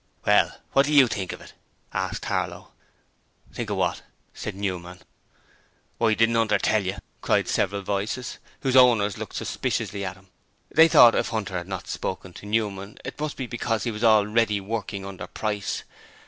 'Well, what do YOU think of it?' asked Harlow. 'Think of what?' said Newman. 'Why, didn't 'Unter tell you?' cried several voices, whose owners looked suspiciously at him. They thought if Hunter had not spoken to Newman, it must be because he was already working under price.